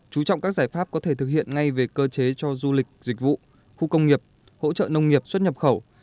chú trọng các giải pháp có thể thực hiện ngay về cơ chế cho du lịch dịch vụ khu công nghiệp hỗ trợ nông nghiệp xuất nhập khẩu